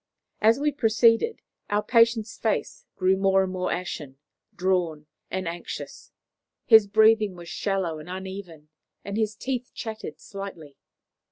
As we proceeded, our patient's face grew more and more ashen, drawn, and anxious; his breathing was shallow and uneven, and his teeth chattered slightly.